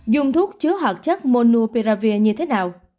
dùng thuốc chứa hoạt chất monopiravir như thế nào